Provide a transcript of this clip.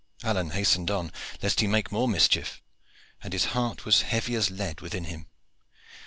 Alleyne hastened on, lest he make more mischief, and his heart was heavy as lead within him.